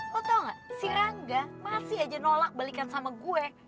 oh tau gak si rangga masih aja nolak balikan sama gue